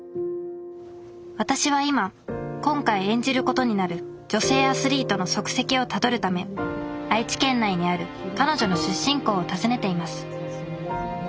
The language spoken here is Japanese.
私は今今回演じることになる女性アスリートの足跡をたどるため愛知県内にある彼女の出身校を訪ねています